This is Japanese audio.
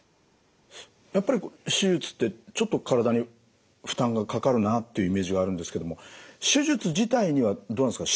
やっぱり手術ってちょっと体に負担がかかるなっていうイメージがあるんですけども手術自体にはどうなんですか？